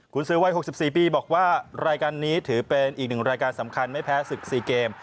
คุณซื้อวัย๖๔ปีบอกว่ารายการนี้ถือเป็นอีกหนึ่งรายการสำคัญไม่แพ้ศึก๔เกม